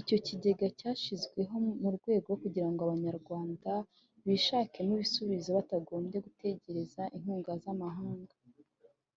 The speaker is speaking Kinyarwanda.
Icyo kigega cyatekerejwe mu rwego rwo kugira ngo Abanyarwanda bishakemo ibisubizo batagombye gutegereza inkunga z’amahanga